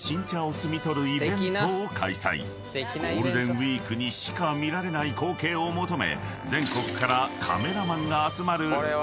［ゴールデンウイークにしか見られない光景を求め］